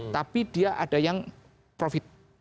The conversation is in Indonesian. tapi dia ada yang profit